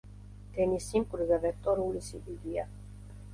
დენის სიმკვრივე ვექტორული სიდიდეა.